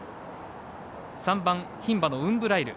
３番、牝馬のウンブライル。